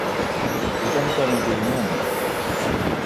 ήταν ικανοποιημένος